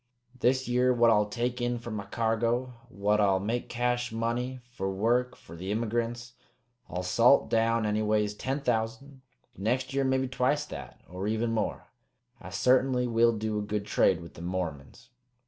This year, what I'll take in for my cargo, what I'll make cash money fer work fer the immygrints, I'll salt down anyways ten thousand; next year maybe twicet that, or even more. I sartainly will do a good trade with them Mormons."